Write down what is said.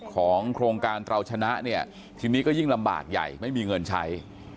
โครงการเราชนะเนี่ยทีนี้ก็ยิ่งลำบากใหญ่ไม่มีเงินใช้